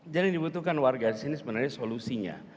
jadi yang dibutuhkan warga di sini sebenarnya solusinya